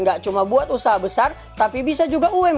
gak cuma buat usaha besar tapi bisa juga umkm